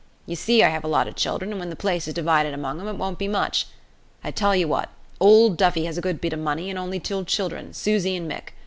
Ye see I have a lot of children, and when the place is divided among 'em it won't be much. I tell ye wot, old Duffy has a good bit of money and only two children, Susie and Mick.